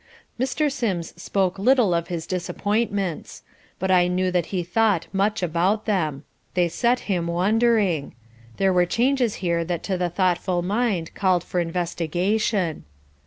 Mr. Sims spoke little of his disappointments. But I knew that he thought much about them. They set him wondering. There were changes here that to the thoughtful mind called for investigation.